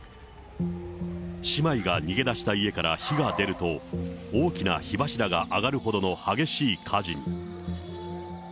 姉妹が逃げ出した家から火が出ると、大きな火柱が上がるほどの激しい火事に。